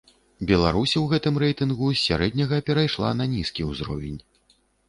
Беларусь у гэтым рэйтынгу з сярэдняга перайшла на нізкі ўзровень.